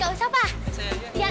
terima kasih pak